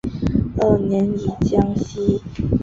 二年以江西星子县知县署理建昌府南丰县知县。